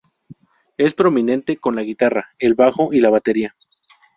Es prominente con la guitarra, el bajo y la batería.